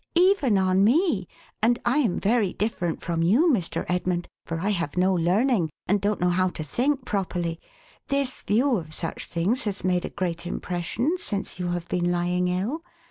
" Even on me — and I am very different from you, Mr. Edmund, for I have no learning, and don't know how to think properly — this view of such things has made a great impression, since you have been lying ill.